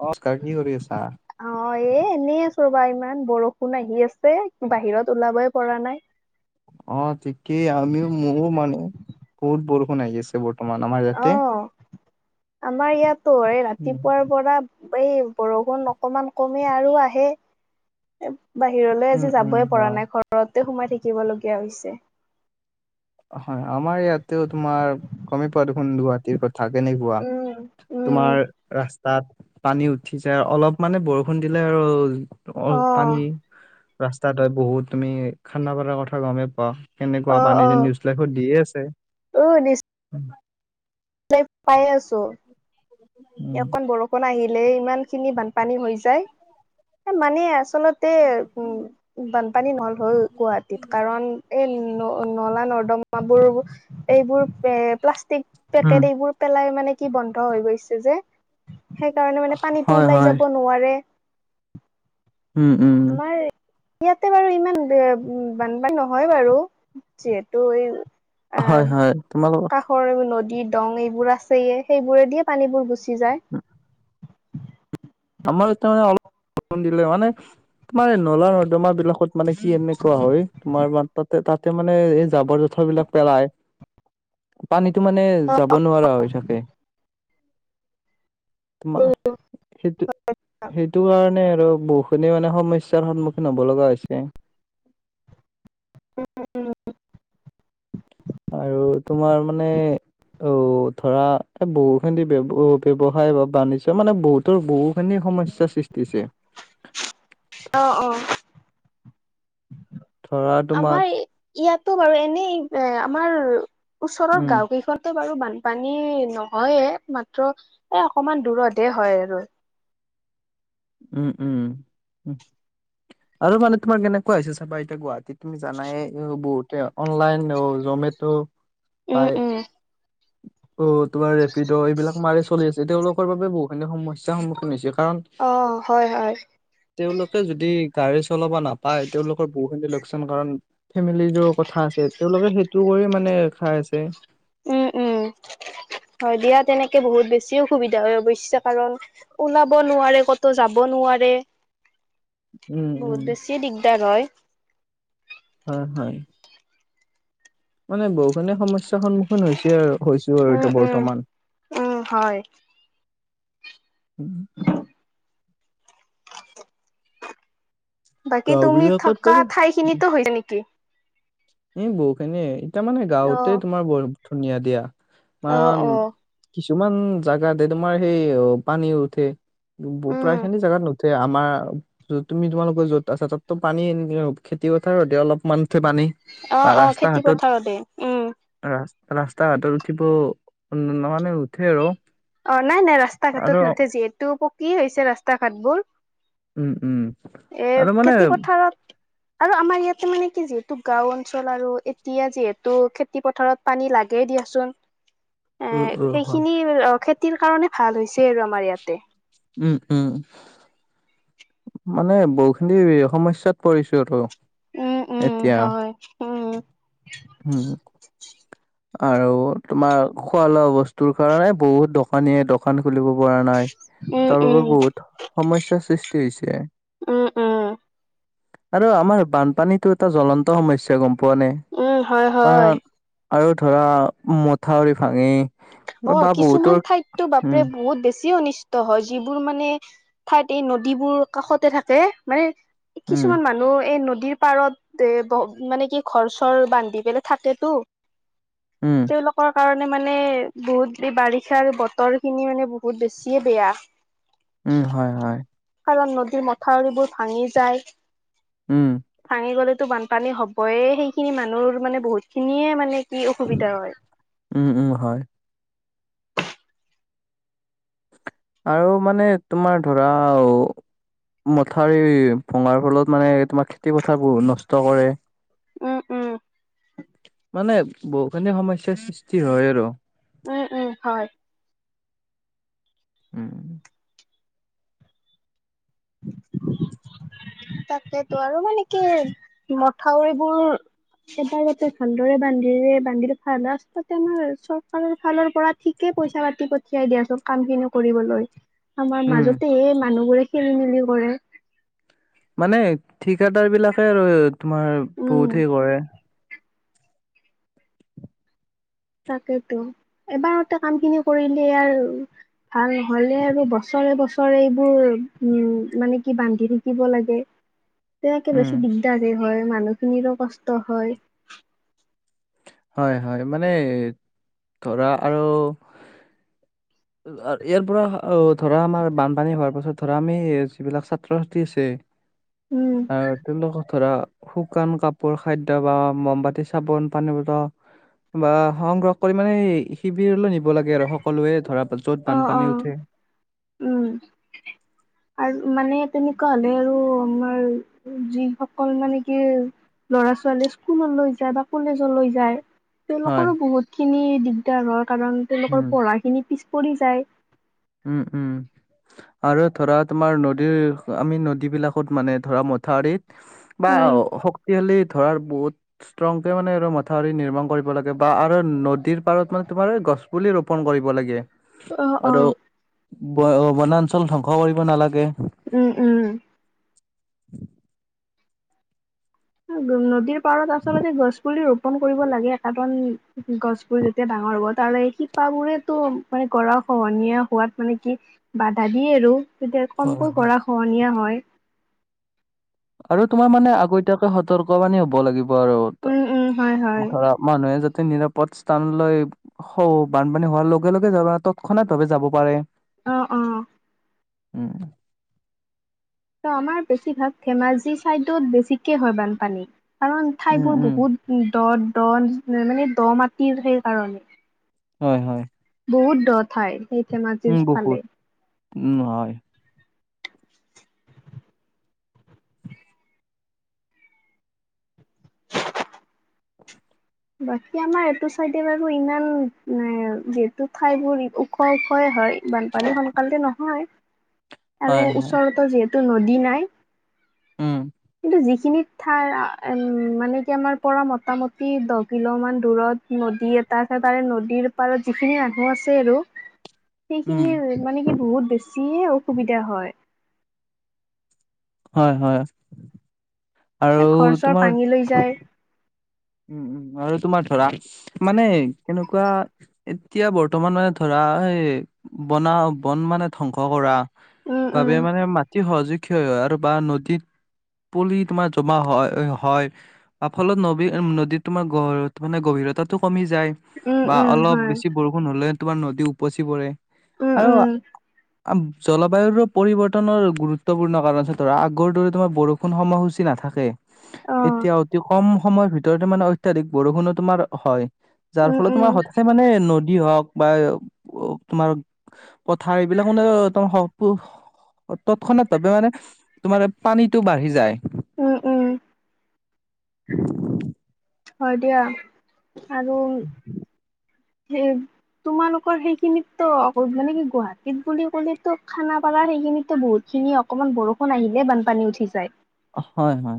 নমস্কাৰ কি কৰি আছা? অ এ এনে আছো ৰবা, ইমান বৰষুণ আহি আছে বাহিৰত ওলাবই পৰা নাই। অ ঠিকেই আমিও মোৰো মানে বহুত বৰষুণ আহি আছে বৰ্তমান আমাৰ অ ইয়াতে। আমাৰ ইয়াতো এই উম ৰাতিপুৱাৰ পৰা এই বৰষুণ অকমান কমে আৰু আহে। বাহিৰলে উম আজি উম যাবই পৰা হয়। নাই ঘৰতে সোমাই থাকিব লগীয়া হৈছে। হয় আমাৰ ইয়াতেও তোমাৰ গমে পোৱা দেখোন গুৱাহাটীৰ থা কেনেকুৱা, উম উম তোমাৰ ৰাস্তাত পানী উঠি যাই অলপ মানে বৰষুণ দিলে আৰু অ পানী ৰাস্তাত হয় বহুত তুমি খানা পাৰাৰ কথা গমেই পোৱা কেনেকুৱা অ পানী অ যে নিউজ ত দিয়ে আছে। প্লেট পাইয়ে আছো। উম অকন বৰষুণ আহিলেই ইমান খিনি বানপানী হৈ যায়, মানে আচল তে বানপানী নহ'ল, গুৱাহাটীত কাৰণ এই ন নলা নৰ্দমাবোৰ এইবোৰ এ প্লাষ্টিক উম পেকেট এইবোৰ পেলাই মানে কি বন্ধ হৈ গৈছে যে সেইকাৰণে মানে পানীটো হয় ওলাই হয় যাব নোৱাৰে, উম উম আমাৰ ইয়াতে বাৰু ইমান বানপানী নহয় বাৰু যিহেতু এই হয় হয়, তোমালোক কৰ নদী দং এইবোৰ আছেইয়ে সেইবোৰে দিয়ে পানীবোৰ গুচি যায়। আমাৰ তামানে অলপ বৰষুণ দিলে মানে তোমাৰ এই নলা নৰ্দমা বিলাকত মানে কি এনেকুৱা হয়, তোমাৰ তাতে তাতে মানে এই জাবৰ জোঁথৰ বিলাক পেলায়। পানীতো মানে যাব নোৱাৰা হৈ থাকে। তোমা সেইটো কাৰণে আৰু বহুখিনি মানে সমস্যাৰ সন্মুখীন হ'ব লগা হৈছে। উম উম। আৰু তোমাৰ মানে অ ধৰা এ বহু খিনি ব্যয় ব্যৱসায় বা বাণিজ্যয় মানে বহু তৰ বহুখিনি সমস্যা সৃষ্টিছে। অঁ অঁ। ধৰা তোমাৰ আমাৰ ইয়াতো বাৰু এনেই এ আমাৰ ওচৰৰ উম গাঁও কেইখন টো বাৰু বানপানী নহয়ে মাত্ৰ এ অকনমান দূৰতে হয় আৰু। উম উম উ আৰু মানে তোমাৰ কেনেকুৱা হৈছে চাবা এতিয়া গুৱাহাটীত তুমি জানাই বহুতে অনলাইন অ জমেটো উম পাই। উম অ তোমাৰ ৰেপিড' এইবিলাক মাৰি চলি আছে, তেওঁলোকৰ বাবে বহুখিনি সমস্যাৰ সন্মুখীন হৈছে কাৰণ। অঁ হয় হয়। তেওঁলোকে যদি গাড়ী চলাব নাপায় তেওঁলোকৰ বহুখিনি লোক চান কাৰণ ফেমিলিৰোঁ কথা আছে, তেওঁলোকে সেইটো কৰি মানে খাই আছে। উম উম, হয় দিয়া তেনেকে বহুত বেছি অসুবিধা হয় অৱশ্যে কাৰণ ওলাব নোৱাৰে ক'তো যাব নোৱাৰে। উম, উম, বহুত বেছি দিগদাৰ হয়। হয় হয়। মানে বহুখিনি সমস্যাৰ সন্মুখীন হৈছে আৰু হৈছো আৰু উম এতিয়া উম বৰ্তমান। উম হয় [inaudible] বাকী গাওঁ তুমি বিলাকত থকা মানে ঠাইখিনিতো ছে নেকি? এ বহুখিনিয়ে এতিয়া মানে অ গাঁৱতে তোমাৰ বৰ ধুনীয়া দিয়া। অ কাৰণ অ কিছুমান জাগাতে তোমাৰ সেই পানী উঠে। ব উম প্ৰায় খিনি জাগাত নুঠে, আমাৰ য তুমি তোমালোকৰ যত তাৰপাছতো পানী খেতি পথাৰতি অলপমানে উঠে পানী। বা অঁ অঁ ৰাস্তা খেতি ঘাটত পথাৰতে উম। ৰা ৰাস্তা ঘাটত উঠিব মানে উঠে আৰু। অ' নাই নাই ৰাস্তা আৰু ঘাটত নুঠে যিহেতু পকী হৈছে ৰাস্তা ঘাটবোৰ। উম উম আৰু এ মানে খেতি পথাৰত। আৰু আমাৰ ইয়াতে মানে কি যিহেতু গাওঁ অঞ্চল আৰু এতিয়া যিহেতু খেতি পথাৰত পানী লাগেই দিয়াচোন। [inaudible] এ উ হয় সেইখিনি খেতিৰ কাৰণে ভাল হৈছে আৰু আমাৰ ইয়াতে। উম উম। মানে বহুখিনি সমস্যাত পৰিছোতো উম উম এতিয়া। হয় উম। উম আৰু তোমাৰ খোৱা লোৱা বস্তুৰ কাৰণে বহুত দ। কানীয়ে দোকান খুলিব পৰা নাই উম তাৰ বাবে উম বহুত সমস্যাৰ সৃষ্টি হৈছে। উম উম আৰু আমাৰ বানপানীটো এটা জ্বলন্ত সমস্যা গম পোৱা নে। উম হয়। অ হয় আৰু ধৰা মথাউৰি ভাঙি। অ' বা বহুতৰ কিছুমান ঠাইততো উম বাপৰে বহুত বেছিও অনিচ। ট হয়, যিবোৰ মানে ঠাইত এই নদীবোৰ কাষতে থাকে মানে। উম কিছুমান মানুহ এই নদীৰ পাৰত। তে বহ মানে কি ঘৰ- চৰ বান্ধি পেলাই থাকেতো। উম। তেওঁলোকৰ কাৰণে মানে বহুত এই বাৰিষাৰ বতৰ খিনি মানে বহুত বেছিয়ে বেয়া। উম হয় হয়। কাৰণ নদীৰ মথাউৰিবোৰ ভাঙি যায়। উম। ভাঙি গ'লেতো বানপানী হবয়ে সেইখিনি মানুহৰ মানে বহুত খিনিয়ে মানে কি অসুবিধা হয়। উম উম হয়। আৰু মানে তোমাৰ ধৰা আৰু মথাউৰি ভঙাৰ ফলত মানে তোমাৰ খেতি পথাৰ বোৰো নষ্ট কৰে। উম উম। মানে বহুখিনি সমস্যাৰ সৃষ্টি হয় আৰু উম উম হয়। উম [inaudible] তাকেতো আৰু মানে কি মথাউৰিবোৰ। সেইটো এতিয়া ভালদৰে বান্ধিৰে বান্ধিলে ভাল লাষ্টত এনেও চৰকাৰৰ ফালৰ পৰা ঠিকে পইচা পাতি পঠিয়াই দিয়া চোন কাম খিনি কৰিবলৈ। আমাৰ উম মাজতেহে মানুহবোৰে খেলি মেলিও কৰে। মানে ঠিকাদাৰ বিলাকে আৰু তোমাৰ উম বহুত হেৰি কৰে। তাকেইতো এবাৰতে কাম খিনি কৰিলে আৰু ভাল নহলে আৰু বছৰে বছৰে এইবোৰ উম মানে কি বান্ধি থাকিব লাগে। [inaudible] সেয়ে একে উম বেছি দিগদাৰ দিয়ে হয় মানুহখিনিৰো কষ্ট হয়। হয় হয় মানে ধৰা আৰু ইয়াৰ পৰা ধৰা আমাৰ বানপানী হোৱাৰ পাছত ধৰা আমি যিবিলাক ছাত্ৰ ছাত্ৰী আছে। উম আৰু তেওঁলোকৰ ধৰা। শুকান কাপোৰ খাদ্য বা মমবাতি চাবোন পানী ব বা সংগ্ৰহ কৰি মানে শিবিৰলৈ নিব লাগে আৰু সকলোৱে ধৰা। য'ত অ অ বানপানী উঠে। উম আৰু মানে তেনেকুৱা হ'লে আৰু আমাৰ। যিসকল মানে কি। ল'ৰা ছোৱালীয়ে স্কুল লৈ যায় বা কলেজ লৈ যায়। হয় তেওঁলোকৰো বহুত খিনি দিগদাৰ হয় কাৰণ তেওঁলোকৰ উম পঢ়াখিনি পিছ পৰি যায়। উম উম। আৰু ধৰা তোমাৰ নদীৰ আমি নদীবিলাকত মানে ধৰা মথাউৰিত। বা উম শক্তিশালী ধৰাৰ বহুত। ষ্ট্ৰংকে মানে আৰু মাথাউৰি নিৰ্মাণ কৰিব লাগে বা আৰু নদীৰ পাৰত মানে তোমাৰ গছ। পুলি ৰোপণ কৰিব লাগে। অ অ। ব অ বনাঞ্চল ধ্বংস কৰিব নালাগে। উম উম। নদীৰ পাৰত আচলতে গছ পুলি ৰূপ পন কৰিব লাগে কাৰণ গছবোৰ যেতিয়া ডাঙৰ হ'ব তাৰে শিপা বোৰেতো, মানে গৰাখহনীয়া হোৱাত মানে কি বাধা দিয়ে আৰু। তেতিয়া কমকৈ গৰাখহনীয়া হয়। আৰু তোমাৰ মানে উম আগতিয়াকৈ সতৰ্ক বানি হ'ব লাগিব আৰু ত উম হয় হয় ধৰা, মানুহে যাতে নিৰাপদ স্থান লৈ, হ' বানপানী হোৱাৰ লগে লগে যাবা তৎক্ষণাত দুবি যাব পাৰে। অ অ। উম। ত' আমাৰ বেছিভাগ ধেমাজি ছাইডত বেছিকৈ হয় বানপানী কাৰণ উম, ঠাইবোৰ উম, বহুত, দ দ মানে দ মাটি সেই কাৰণে। হয় হয়। বহুত দ ঠাই সেই, ধেমাজিৰ উম ফালে। বহুত, উম হয়। বাকী আমাৰ এইটো চাইডে বাৰু ইমান নাই যিহেতু ঠাই বোৰ ওখ ওখয়ে হয়। বানপানী সোনকালতে নহয় আৰু হয়, হয়, ওচৰতো যিহেতু নদী নাই। উম। কিন্তু যিখিনি ঠাই উম মানে কি আমাৰ পৰা মোটামুটি দ। কিলো মান দূৰত নদী এটা আছে, তাৰে নদীৰ পাৰত যিখিনি মানুহ আছে আৰু। উম, সেইখিনিয়ে মানে কি বহুত বেছিয়ে অসুবিধা হয়। হয় হয়। এ আৰু ঘৰ চৰ তোমাৰ, ভাঙি লৈ যায়। উম উম, আৰু তোমাৰ ধৰা মানে কিনো। কোৱা এতিয়া বৰ্তমান মানে ধৰা এই, বনা বন মানে ধ্বংস কৰা উম উম বাবে মানে মাটি সহজোগ। ক হয় আৰু বা নদীত পুলি তোমাৰ জমা হয় হয়, বা ফলত নদী। নদীত তোমাৰ গ মানে গভীৰতাতো কমি যায়, উম বা উম অলপ হয় বেছি বৰষুণ। হলে তোমাৰ নদী উপচি পৰে। উম আৰু উম আ জলবায়ুৰো পৰিৱৰ্তনৰ গুৰুত, গুত্বপূৰ্ণ কাৰণ আছে ধৰা। আগৰদৰে তোমাৰ বৰষুণ সময়সূচী নাথাকে। অ এতিয়া অতি কম সময়ৰ ভিতৰতে মানে অত্যাধিক বৰষুণো তোমাৰ হয়। যাৰ উম ফলত উম তোমাৰ হঠাতে মানে নদী হওক বা, অ তোমাৰ পথাৰ এইবিলাক মানে তোমাৰ তৎক্ষণাত ভাবে মানে তোমাৰ পানীটো বাঢ়ি যায়। উম উম হয় দিয়া, আৰু সেই তোমালোকৰ সেইখিনিততো মানে কি গুৱাহাটীত বুলি ক'লেতো খানাপাৰা সেইখিনিততো বহুত - খিনি অকনমান বৰষুণ আহিলে বানপানী উঠি যায়। হয় হয়।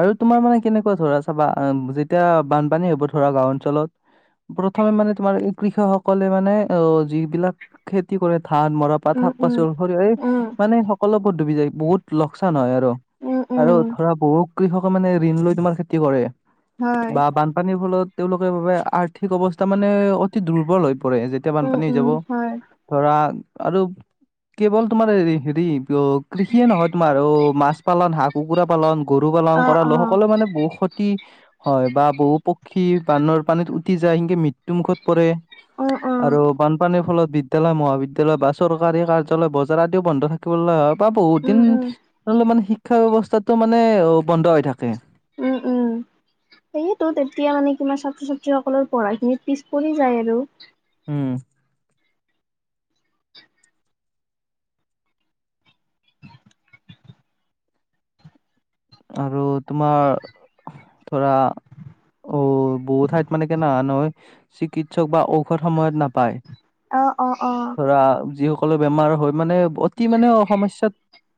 আৰু তোমাৰ মানে কেনেকুৱা ধৰা চাবা, যেতিয়া বানপানী হব ধৰা গাঁও অঞ্চলত প্ৰথমে মানে তোমাৰ এই কৃষক সকলে মানে অ যিবিলাক খেতি কৰে ধান মৰা পাত উম শাক উম পাচল সৰি উম মানে সকলোবোৰ ডুবি যায়, বহুত লকচান হয় আৰু উম উম আৰু আৰু ধৰা বহুত কৃষকে মানে ঋণ লৈ তোমাৰ খেতি কৰে। হয় বা বানপানীৰ ফলত তেওঁলোকে বাবে আৰ্থিক অৱস্থা মানে অতি দুৰ্বল হৈ পৰে যেতিয়া উম বানপানী উম যাব, হয় ধৰা আৰু কেৱল তোমাৰ হেৰি কৃষিয়ে নহয়, তোমাৰ অ মাছ পালন, হাঁহ কুকুৰা পালন, গ ৰু পালন অ কৰা অ লোকসকলে মানে বহু ক্ষতি হয়, বা বহু পক্ষী বানৰ পানীত উটি যায়, সেনকে মৃত্যু মৃত্যু মুখত পৰে, উম উম আৰু বানপানীৰ ফলত বি - দ্যালয় মহাবিদ্যালয় বা চৰকাৰী কাৰ্যালয় বজাৰ আদিও বন্ধ থা থব লগা হয়, বা বহুত উম উম দিনলে মানে শিক্ষা ব্যৱস্থাটো মানে অ বন্ধ হৈ থাকে। [inaudible] সেইয়েতো তেতিয়া মানে কিবা ছাত্ৰ ছাত্ৰীসকলৰ পঢ়া খিনিত পিছ পৰি যায় আৰু। উম। আৰু তোমাৰ ধৰা অ বহুত ঠাইত মানে কেনেনা সেন হয় চিকিৎসক বা ঔষধ সময়ত নাপায়, অ', অ', অ'। ধৰা যিস কল বেমাৰ হয়, মানে অতি মানে সমস্যাত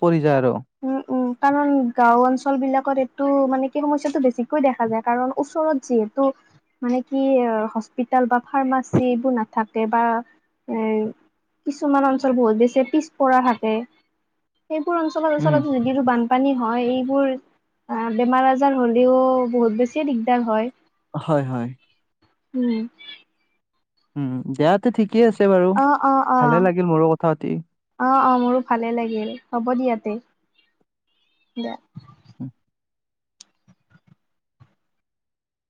পৰি যায় আৰু। উম উম, কাৰণ গাওঁ অঞ্চল বিলাকত এইটো মানে কি সমস্যাটো বেছিকৈ দেখা যায়। কাৰণ ওচৰত যিহেতু মানে কি হস্পিতাল বা ফাৰ্মাচি এইবোৰ নাথাকে বা এ কিছুমান অঞ্চল বহুত বেছি পিছপৰা থাকে। সেইবোৰ অঞ্চলৰ উম, আচলতে যদি যিটো বানপানী হয় এইবোৰ অ বেমাৰ আজাৰ হ'লেও বহুত বেছিয়ে দিগদাৰ হয়। হয় হয়। উম। উম দেয়াতো ঠিকেই আছে বাৰু, অ', অ', অ', ভালে লাগিল মোৰো কথা পাতি। অ অ মোৰো ভালেই লাগিল হ'ব ইয়াতে দে। [unintelligible]